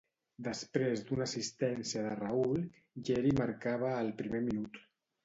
Després d'una assistència de Raúl, Lleri marcava al primer minut.